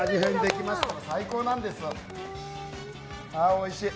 おいしい。